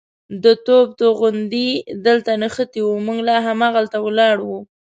د توپ توغندی دلته نښتې وه، موږ لا همالته ولاړ وو.